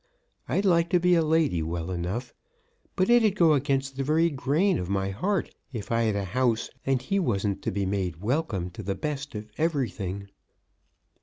I'd like to be a lady well enough; but it'd go against the very grain of my heart if I had a house and he wasn't to be made welcome to the best of everything."